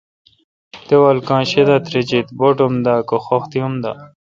داول کاں شی دا تریجیت، باٹ اُم دہ کہ خختی ام دا۔